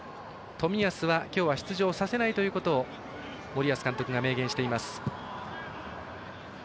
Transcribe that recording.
冨安は今日は出場させないということを森保監督が明言しています。